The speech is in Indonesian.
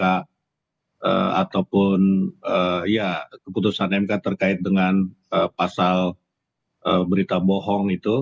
ataupun ya keputusan mk terkait dengan pasal berita bohong itu